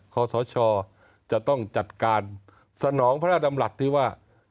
ขอสชจะต้องจัดการสนองพระราชดำรัฐที่ว่า